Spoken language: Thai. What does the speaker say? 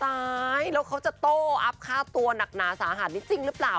ร้ายแล้วเขาจะโต้อัพค่าตัวหนักหนาสาหัสนี่จริงหรือเปล่า